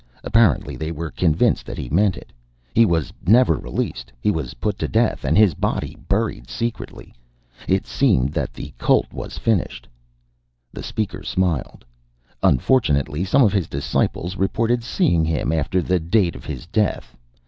Apparently they were convinced that he meant it; he was never released. He was put to death, and his body buried secretly. It seemed that the cult was finished." The Speaker smiled. "Unfortunately, some of his disciples reported seeing him after the date of his death.